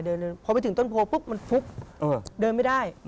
เดินลืมพอไปถึงต้นโพลมันปุ๊บเดินไม่ได้